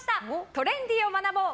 トレンディーを学ぼう！